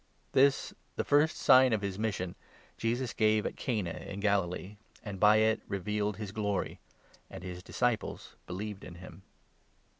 " This, the first sign of his mission, Jesus gave at Cana in n Galilee, and by it revealed his glory ; and his disciples believed in him.